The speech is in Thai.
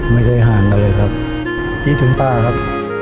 ไม่เคยห่างกันเลยครับคิดถึงป่าครับ